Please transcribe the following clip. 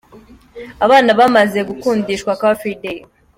Abana bamaze gukundishwa Car Free Day .